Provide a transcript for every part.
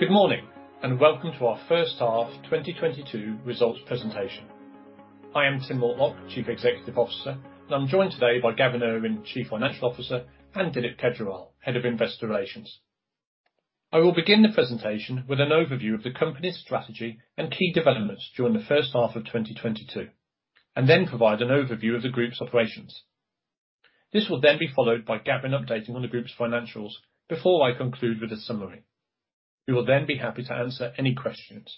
Good morning, and welcome to our H1 2022 results presentation. I am Tim Mortlock, Chief Executive Officer, and I'm joined today by Gavin Urwin, Chief Financial Officer, and Dilip Kejriwal, Head of Investor Relations. I will begin the presentation with an overview of the company's strategy and key developments during the H1 of 2022, and then provide an overview of the group's operations. This will then be followed by Gavin updating on the group's financials before I conclude with a summary. We will then be happy to answer any questions.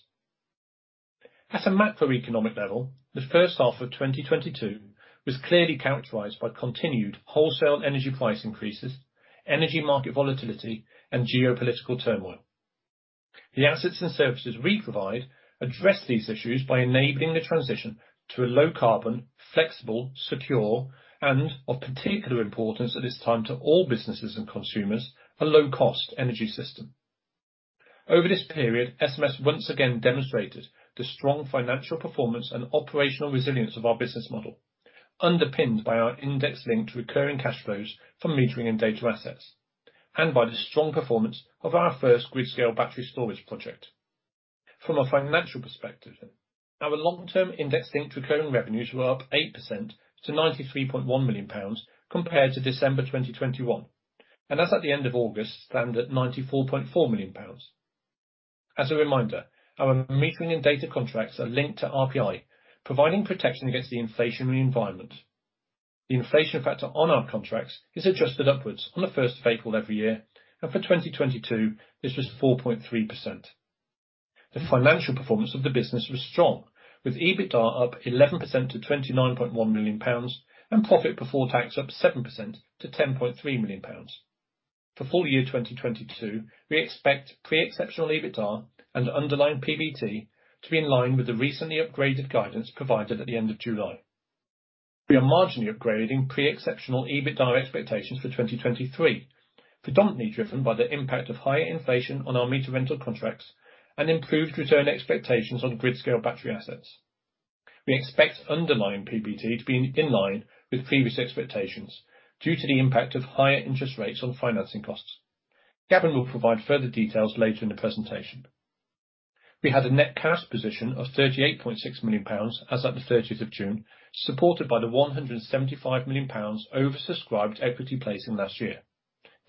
At a macroeconomic level, the H1 of 2022 was clearly characterized by continued wholesale energy price increases, energy market volatility, and geopolitical turmoil. The assets and services we provide address these issues by enabling the transition to a low carbon, flexible, secure, and of particular importance at this time to all businesses and consumers, a low-cost energy system. Over this period, SMS once again demonstrated the strong financial performance and operational resilience of our business model, underpinned by our index linked recurring cash flows from metering and data assets, and by the strong performance of our first grid-scale battery storage project. From a financial perspective, our long-term index linked recurring revenues were up 8% to 93.1 million pounds compared to December 2021, and as at the end of August, stand at 94.4 million pounds. As a reminder, our metering and data contracts are linked to RPI, providing protection against the inflationary environment. The inflation factor on our contracts is adjusted upwards on the first of April every year, and for 2022, this was 4.3%. The financial performance of the business was strong, with EBITDA up 11% to 29.1 million pounds and profit before tax up 7% to 10.3 million pounds. For full year 2022, we expect pre-exceptional EBITDA and underlying PBT to be in line with the recently upgraded guidance provided at the end of July. We are marginally upgrading pre-exceptional EBITDA expectations for 2023, predominantly driven by the impact of higher inflation on our meter rental contracts and improved return expectations on grid scale battery assets. We expect underlying PBT to be in line with previous expectations due to the impact of higher interest rates on financing costs. Gavin will provide further details later in the presentation. We had a net cash position of 38.6 million pounds as at the June 30th, supported by the 175 million pounds oversubscribed equity placing last year.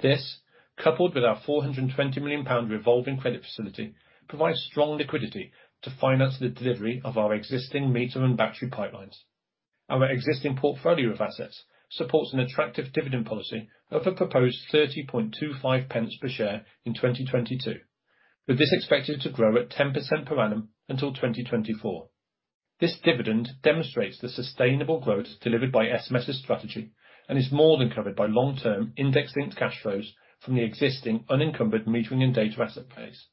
This, coupled with our 420 million pound revolving credit facility, provides strong liquidity to finance the delivery of our existing meter and battery pipelines. Our existing portfolio of assets supports an attractive dividend policy of a proposed 0.3025 per share in 2022, with this expected to grow at 10% per annum until 2024. This dividend demonstrates the sustainable growth delivered by SMS's strategy and is more than covered by long-term index linked cash flows from the existing unencumbered metering and data asset base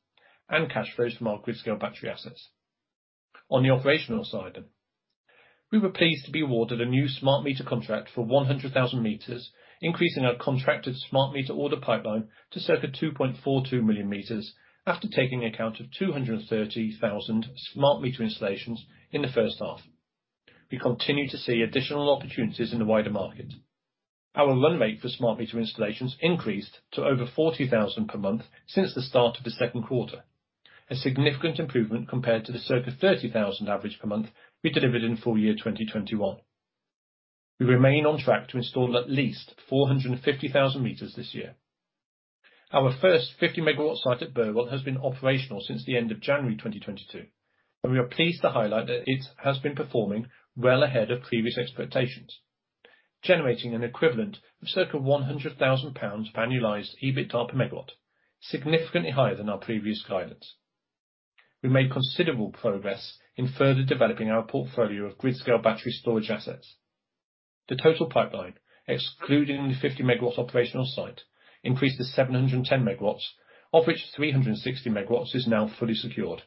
and cash flows from our grid scale battery assets. On the operational side, we were pleased to be awarded a new smart meter contract for 100,000 meters, increasing our contracted smart meter order pipeline to circa 2.42 million meters after taking account of 230,000 smart meter installations in the H1. We continue to see additional opportunities in the wider market. Our run rate for smart meter installations increased to over 40,000 per month since the start of the Q2. A significant improvement compared to the circa 30,000 average per month we delivered in full year 2021. We remain on track to install at least 450,000 meters this year. Our first 50 MW site at Burwell has been operational since the end of January 2022, and we are pleased to highlight that it has been performing well ahead of previous expectations, generating an equivalent of circa 100,000 pounds annualized EBITDA per MW, significantly higher than our previous guidance. We made considerable progress in further developing our portfolio of grid-scale battery storage assets. The total pipeline, excluding the 50 MW operational site, increased to 710 MW, of which 360 MW is now fully secured.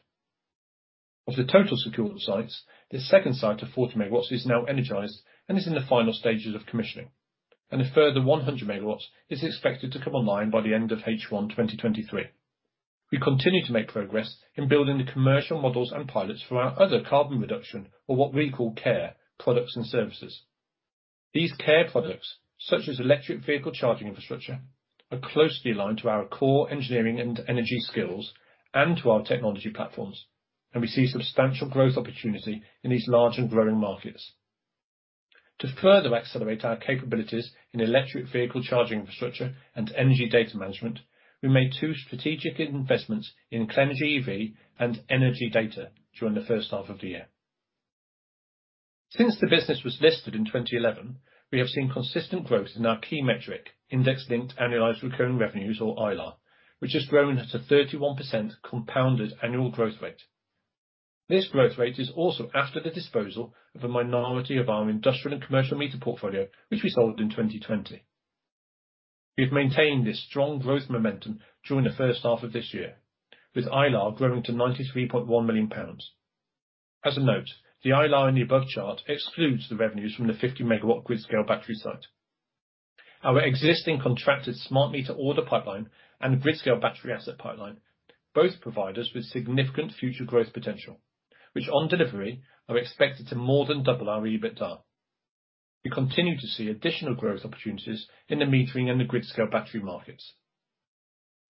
Of the total secured sites, the second site of 40 MW is now energized and is in the final stages of commissioning, and a further 100 MW is expected to come online by the end of H1 2023. We continue to make progress in building the commercial models and pilots for our other carbon reduction or what we call CaRe products and services. These CaRe products, such as electric vehicle charging infrastructure, are closely aligned to our core engineering and energy skills and to our technology platforms, and we see substantial growth opportunity in these large and growing markets. To further accelerate our capabilities in electric vehicle charging infrastructure and energy data management, we made two strategic investments in Clenergy EV and n3rgy during the H1 of the year. Since the business was listed in 2011, we have seen consistent growth in our key metric, index linked annualized recurring revenues or ILAR, which has grown to 31% compounded annual growth rate. This growth rate is also after the disposal of a minority of our industrial and commercial meter portfolio, which we sold in 2020. We've maintained this strong growth momentum during the H1 of this year, with ILAR growing to 93.1 million pounds. As a note, the ILAR in the above chart excludes the revenues from the 50 MW grid-scale battery site. Our existing contracted smart meter order pipeline and grid-scale battery asset pipeline both provide us with significant future growth potential, which on delivery are expected to more than double our EBITDA. We continue to see additional growth opportunities in the metering and the grid-scale battery markets.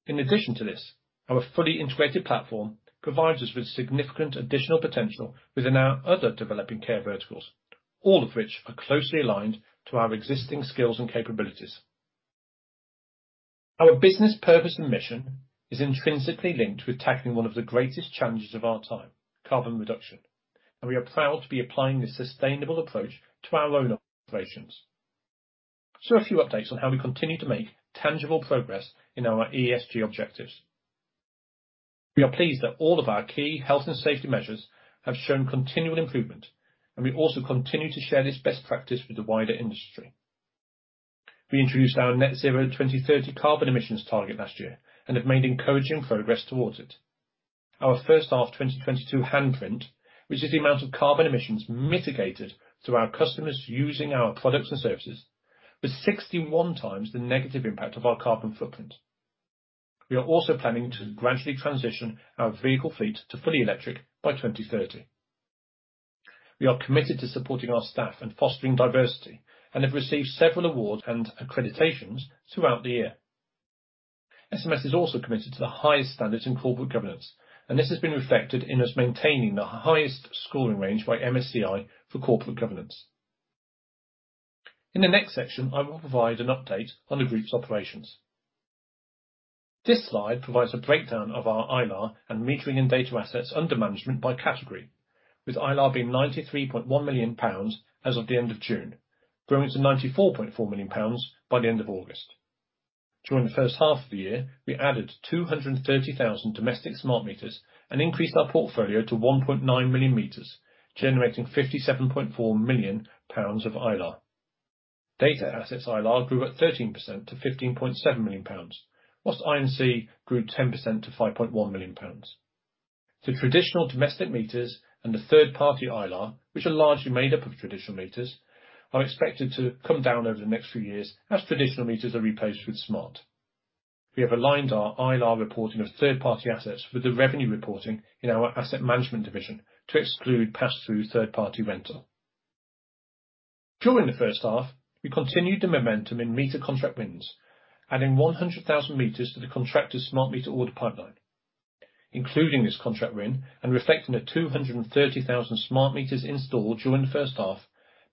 In addition to this, our fully integrated platform provides us with significant additional potential within our other developing CaRe verticals, all of which are closely aligned to our existing skills and capabilities. Our business purpose and mission is intrinsically linked with tackling one of the greatest challenges of our time, carbon reduction, and we are proud to be applying this sustainable approach to our own operations. A few updates on how we continue to make tangible progress in our ESG objectives. We are pleased that all of our key health and safety measures have shown continual improvement, and we also continue to share this best practice with the wider industry. We introduced our net zero 2030 carbon emissions target last year and have made encouraging progress towards it. Our H1 2022 handprint, which is the amount of carbon emissions mitigated through our customers using our products and services, was 61x the negative impact of our carbon footprint. We are also planning to gradually transition our vehicle fleet to fully electric by 2030. We are committed to supporting our staff and fostering diversity and have received several awards and accreditations throughout the year. SMS is also committed to the highest standards in corporate governance, and this has been reflected in us maintaining the highest scoring range by MSCI for corporate governance. In the next section, I will provide an update on the group's operations. This slide provides a breakdown of our ILR and metering and data assets under management by category, with ILR being GBP 93.1 million as of the end of June, growing to GBP 94.4 million by the end of August. During the H1 of the year, we added 230,000 domestic smart meters and increased our portfolio to 1.9 million meters, generating 57.4 million pounds of ILR. Data assets ILR grew at 13% to 15.7 million pounds, while I&C grew 10% to 5.1 million pounds. The traditional domestic meters and the third-party ILR, which are largely made up of traditional meters, are expected to come down over the next few years as traditional meters are replaced with smart. We have aligned our ILR reporting of third-party assets with the revenue reporting in our asset management division to exclude pass-through third-party rental. During the H1, we continued the momentum in meter contract wins, adding 100,000 meters to the contracted smart meter order pipeline. Including this contract win and reflecting the 230,000 smart meters installed during the H1,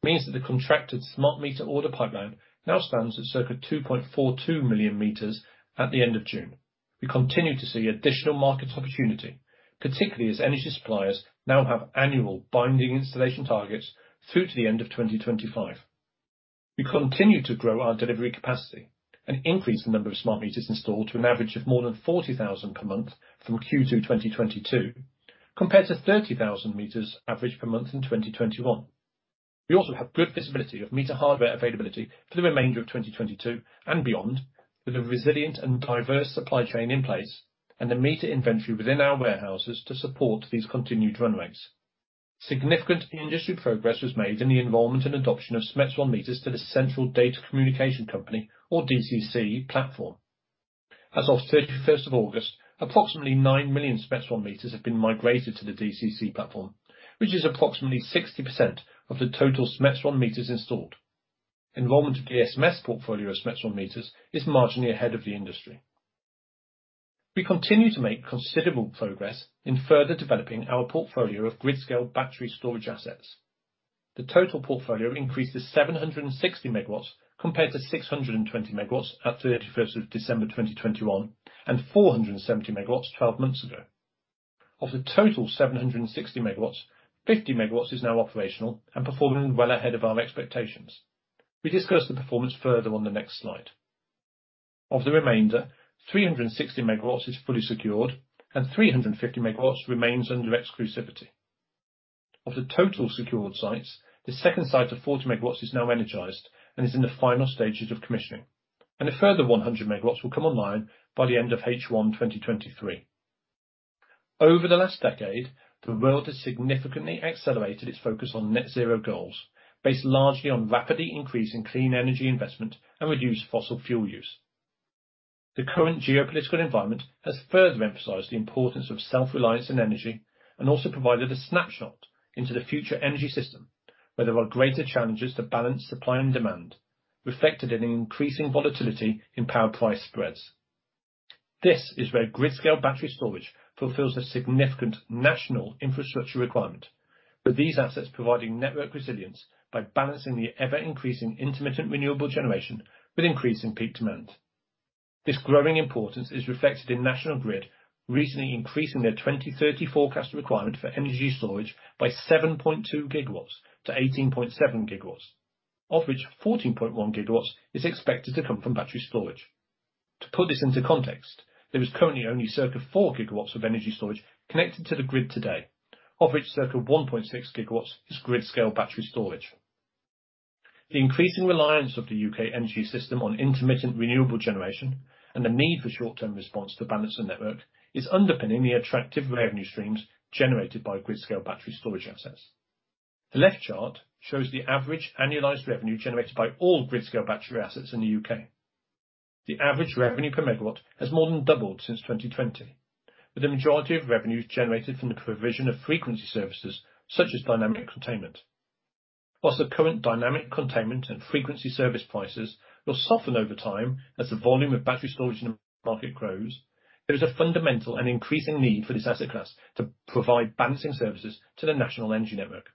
means that the contracted smart meter order pipeline now stands at circa 2.42 million meters at the end of June. We continue to see additional market opportunity, particularly as energy suppliers now have annual binding installation targets through to the end of 2025. We continue to grow our delivery capacity and increase the number of smart meters installed to an average of more than 40,000 per month through Q2 2022, compared to 30,000 meters average per month in 2021. We also have good visibility of meter hardware availability for the remainder of 2022 and beyond, with a resilient and diverse supply chain in place and the meter inventory within our warehouses to support these continued runways. Significant industry progress was made in the involvement and adoption of SMETS1 meters to the Data Communications Company or DCC platform. As of August 31st, approximately 9 million SMETS1 meters have been migrated to the DCC platform, which is approximately 60% of the total SMETS1 meters installed. Enrollment of the SMS portfolio of SMETS1 meters is marginally ahead of the industry. We continue to make considerable progress in further developing our portfolio of grid-scale battery storage assets. The total portfolio increases 760 MW compared to 620 MW December, 31st 2021, and 470 MW 12 months ago. Of the total 760 MW, 50 MW is now operational and performing well ahead of our expectations. We discuss the performance further on the next slide. Of the remainder, 360 MW is fully secured and 350 MW remains under exclusivity. Of the total secured sites, the second site of 40 MW is now energized and is in the final stages of commissioning, and a further 100 MW will come online by the end of H1 2023. Over the last decade, the world has significantly accelerated its focus on net zero goals, based largely on rapidly increasing clean energy investment and reduced fossil fuel use. The current geopolitical environment has further emphasized the importance of self-reliance in energy and also provided a snapshot into the future energy system where there are greater challenges to balance supply and demand, reflected in increasing volatility in power price spreads. This is where grid-scale battery storage fulfills a significant national infrastructure requirement. With these assets providing network resilience by balancing the ever-increasing intermittent renewable generation with increasing peak demand. This growing importance is reflected in National Grid recently increasing their 2030 forecast requirement for energy storage by 7.2 GW to 18.7 GW, of which 14.1 GW is expected to come from battery storage. To put this into context, there is currently only circa 4 GW of energy storage connected to the grid today, of which circa 1.6 GW is grid-scale battery storage. The increasing reliance of the U.K. energy system on intermittent renewable generation and the need for short-term response to balance the network is underpinning the attractive revenue streams generated by grid-scale battery storage assets. The left chart shows the average annualized revenue generated by all grid-scale battery assets in the U.K. The average revenue per megawatt has more than doubled since 2020, with the majority of revenues generated from the provision of frequency services such as Dynamic Containment. While the current Dynamic Containment and frequency service prices will soften over time as the volume of battery storage in the market grows, there is a fundamental and increasing need for this asset class to provide balancing services to the national energy network.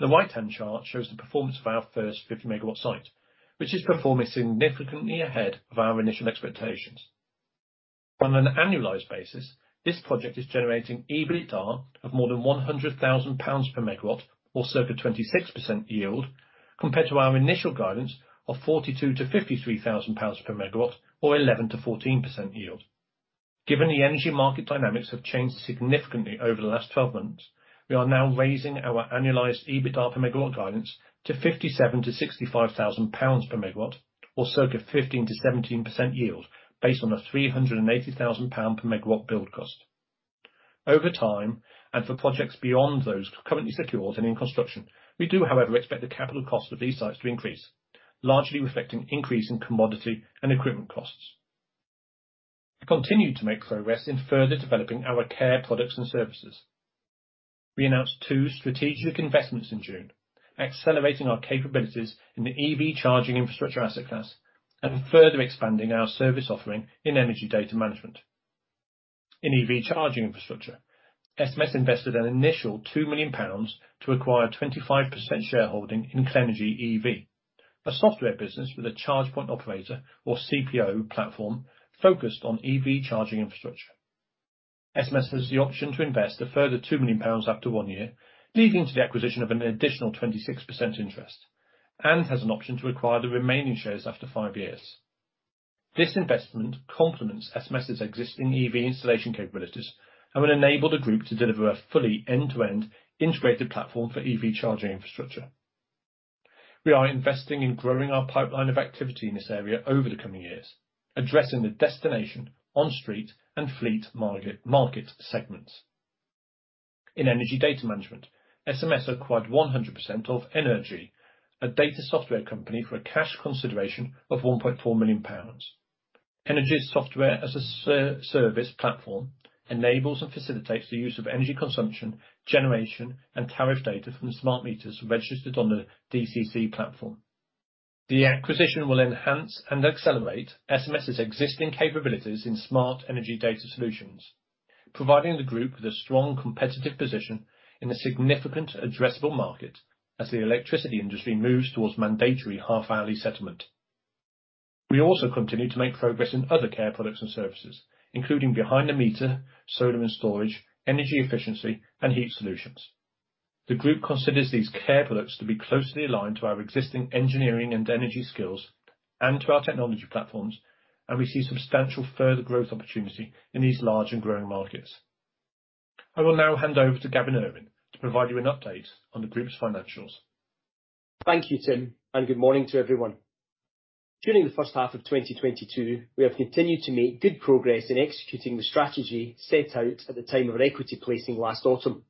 The right-hand chart shows the performance of our first 50 MW site, which is performing significantly ahead of our initial expectations. On an annualized basis, this project is generating EBITDA of more than 100,000 pounds per MW or circa 26% yield, compared to our initial guidance of 42,000-53,000 pounds per MW or 11%-14% yield. Given the energy market dynamics have changed significantly over the last 12 months, we are now raising our annualized EBITDA per megawatt guidance to 57,000-65,000 pounds per megawatt or circa 15%-17% yield based on a 380,000 pound per megawatt build cost. Over time, and for projects beyond those currently secured and in construction, we do, however, expect the capital cost of these sites to increase, largely reflecting increase in commodity and equipment costs. We continue to make progress in further developing our CaRe products and services. We announced two strategic investments in June, accelerating our capabilities in the EV charging infrastructure asset class and further expanding our service offering in energy data management. In EV charging infrastructure, SMS invested an initial 2 million pounds to acquire 25% shareholding in Clenergy EV, a software business with a charge point operator or CPO platform focused on EV charging infrastructure. SMS has the option to invest a further 2 million pounds up to one year, leading to the acquisition of an additional 26% interest, and has an option to acquire the remaining shares after five years. This investment complements SMS's existing EV installation capabilities and will enable the group to deliver a fully end-to-end integrated platform for EV charging infrastructure. We are investing in growing our pipeline of activity in this area over the coming years, addressing the destination, on street, and fleet market segments. In energy data management, SMS acquired 100% of n3rgy, a data software company for a cash consideration of 1.4 million pounds. n3rgy's software as a service platform enables and facilitates the use of energy consumption, generation, and tariff data from smart meters registered on the DCC platform. The acquisition will enhance and accelerate SMS's existing capabilities in smart energy data solutions, providing the group with a strong competitive position in a significant addressable market as the electricity industry moves towards mandatory half-hourly settlement. We also continue to make progress in other CaRe products and services, including behind the meter, solar and storage, energy efficiency, and heat solutions. The group considers these CaRe products to be closely aligned to our existing engineering and energy skills and to our technology platforms, and we see substantial further growth opportunity in these large and growing markets. I will now hand over to Gavin Urwin to provide you an update on the group's financials. Thank you, Tim, and good morning to everyone. During the H1 of 2022, we have continued to make good progress in executing the strategy set out at the time of our equity placing last autumn.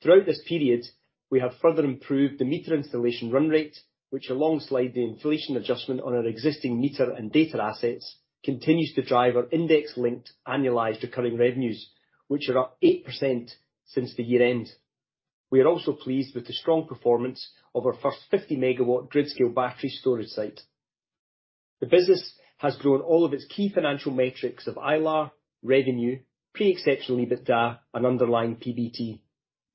Throughout this period, we have further improved the meter installation run rate, which alongside the inflation adjustment on our existing meter and data assets, continues to drive our index-linked annualized recurring revenues, which are up 8% since the year-end. We are also pleased with the strong performance of our first 50 MW grid-scale battery storage site. The business has grown all of its key financial metrics of ILAR, revenue, pre-exceptional EBITDA and underlying PBT.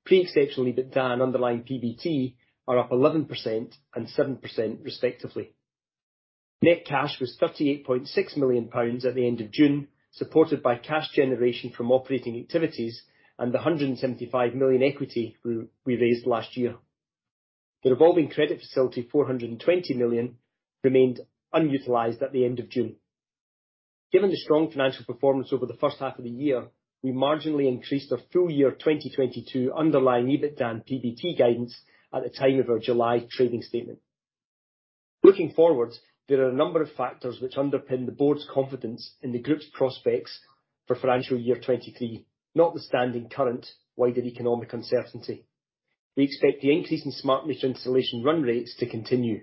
Pre-exceptional EBITDA and underlying PBT are up 11% and 7% respectively. Net cash was 38.6 million pounds at the end of June, supported by cash generation from operating activities and the 175 million equity we raised last year. The revolving credit facility, 420 million, remained unutilized at the end of June. Given the strong financial performance over the H1 of the year, we marginally increased our full year 2022 underlying EBITDA and PBT guidance at the time of our July trading statement. Looking forward, there are a number of factors which underpin the board's confidence in the group's prospects for financial year 2023, notwithstanding current wider economic uncertainty. We expect the increase in smart meter installation run rates to continue.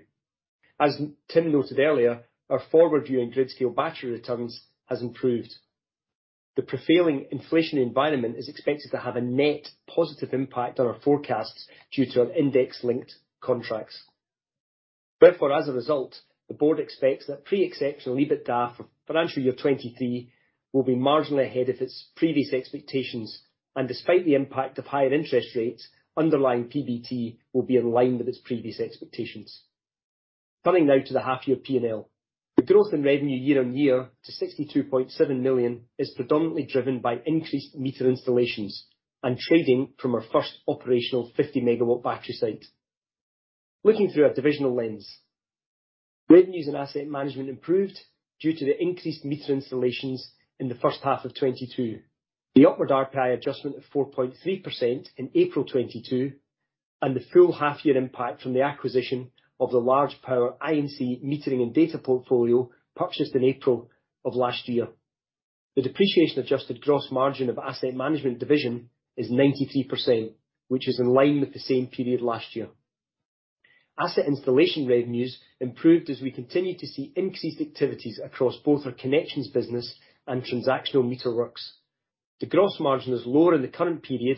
As Tim noted earlier, our forward view in grid scale battery returns has improved. The prevailing inflation environment is expected to have a net positive impact on our forecasts due to our index-linked contracts. Therefore, as a result, the board expects that pre-exceptional EBITDA for financial year 2023 will be marginally ahead of its previous expectations. Despite the impact of higher interest rates, underlying PBT will be in line with its previous expectations. Turning now to the half-year P&L. The growth in revenue year-on-year to 62.7 million is predominantly driven by increased meter installations and trading from our first operational 50 MW battery site. Looking through our divisional lens, revenues and asset management improved due to the increased meter installations in the H1 of 2022. The upward RPI adjustment of 4.3% in April 2022, and the full half year impact from the acquisition of the large power I&C metering and data portfolio purchased in April of last year. The depreciation adjusted gross margin of asset management division is 93%, which is in line with the same period last year. Asset installation revenues improved as we continue to see increased activities across both our connections business and transactional meter works. The gross margin is lower in the current period,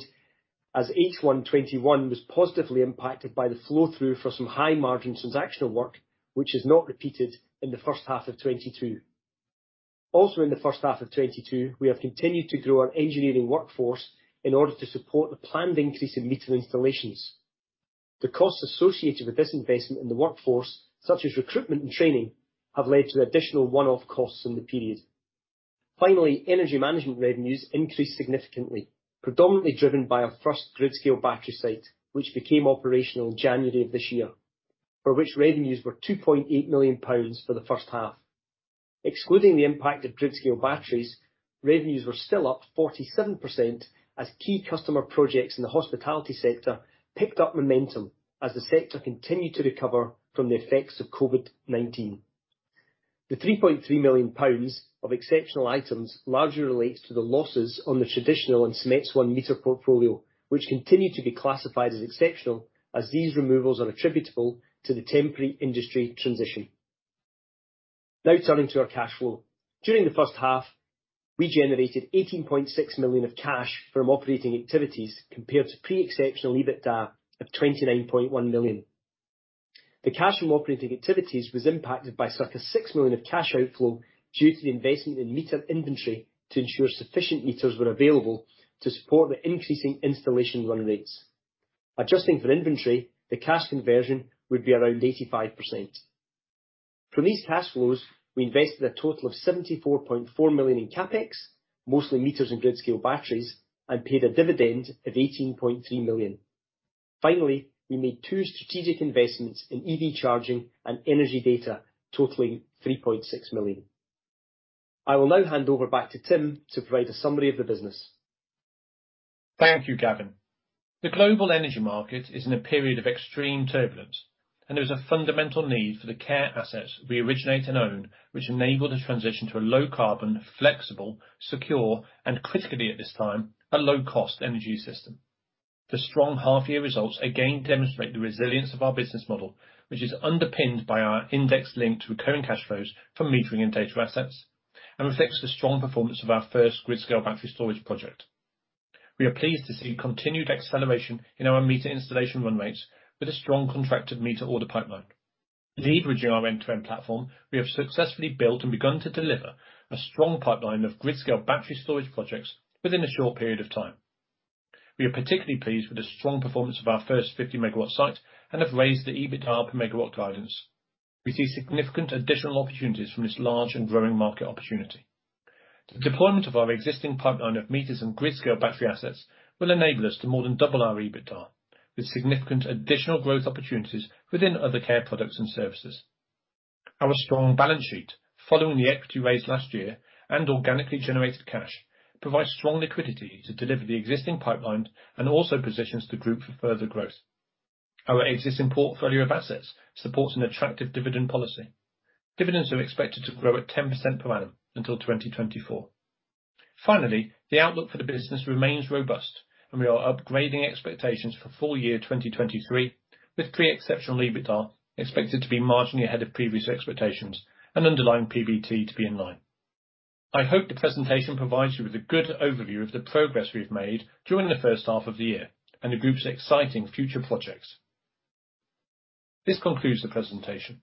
as H1 2021 was positively impacted by the flow through for some high margin transactional work, which is not repeated in the H1 of 2022. Also in the H1 of 2022, we have continued to grow our engineering workforce in order to support the planned increase in meter installations. The costs associated with this investment in the workforce, such as recruitment and training, have led to additional one-off costs in the period. Finally, energy management revenues increased significantly, predominantly driven by our first grid scale battery site, which became operational in January of this year, for which revenues were 2.8 million pounds for the H1. Excluding the impact of grid scale batteries, revenues were still up 47% as key customer projects in the hospitality sector picked up momentum as the sector continued to recover from the effects of COVID-19. The 3.3 million pounds of exceptional items largely relates to the losses on the traditional and SMETS1 meter portfolio, which continue to be classified as exceptional as these removals are attributable to the temporary industry transition. Now turning to our cash flow. During the H1, we generated 18.6 million of cash from operating activities compared to pre-exceptional EBITDA of 29.1 million. The cash from operating activities was impacted by circa 6 million of cash outflow due to the investment in meter inventory to ensure sufficient meters were available to support the increasing installation run rates. Adjusting for inventory, the cash conversion would be around 85%. From these cash flows, we invested a total of 74.4 million in CapEx, mostly meters and grid scale batteries, and paid a dividend of 18.3 million. Finally, we made two strategic investments in EV charging and energy data totaling 3.6 million. I will now hand over back to Tim to provide a summary of the business. Thank you, Gavin. The global energy market is in a period of extreme turbulence, and there is a fundamental need for the CaRe assets we originate and own, which enable the transition to a low-carbon flexible, secure, and critically at this time, a low-cost energy system. The strong half-year results again demonstrate the resilience of our business model, which is underpinned by our index-linked recurring cash flows from metering and data assets, and reflects the strong performance of our first grid-scale battery storage project. We are pleased to see continued acceleration in our meter installation run rates with a strong contracted meter order pipeline. Leveraging our end-to-end platform, we have successfully built and begun to deliver a strong pipeline of grid-scale battery storage projects within a short period of time. We are particularly pleased with the strong performance of our first 50 MW site and have raised the EBITDA per megawatt guidance. We see significant additional opportunities from this large and growing market opportunity. The deployment of our existing pipeline of meters and grid scale battery assets will enable us to more than double our EBITDA, with significant additional growth opportunities within other CaRe products and services. Our strong balance sheet, following the equity raise last year and organically generated cash, provides strong liquidity to deliver the existing pipeline and also positions the group for further growth. Our existing portfolio of assets supports an attractive dividend policy. Dividends are expected to grow at 10% per annum until 2024. Finally, the outlook for the business remains robust, and we are upgrading expectations for full year 2023, with pre-exceptional EBITDA expected to be marginally ahead of previous expectations and underlying PBT to be in line. I hope the presentation provides you with a good overview of the progress we've made during the H1 of the year and the group's exciting future projects. This concludes the presentation.